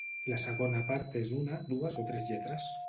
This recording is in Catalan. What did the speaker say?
La segona part és una, dues o tres lletres.